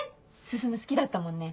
進好きだったもんね。